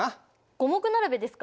五目並べですか？